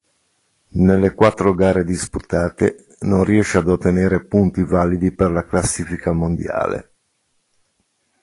Nelle quattro gare disputate non riesce ad ottenere punti validi per la classifica mondiale.